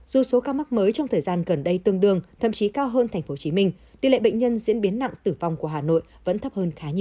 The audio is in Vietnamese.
dù số ca mắc mới trong thời gian gần đây tương đương thậm chí cao hơn tp hcm tỷ lệ bệnh nhân diễn biến nặng tử vong của hà nội vẫn thấp hơn khá nhiều